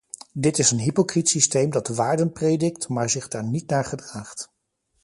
Dit is een hypocriet systeem dat waarden predikt, maar zich daar niet naar gedraagt.